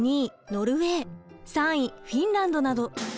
ノルウェー３位フィンランドなど。